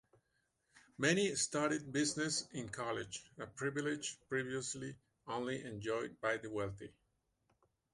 Many studied business in college, a privilege previously only enjoyed by the wealthy.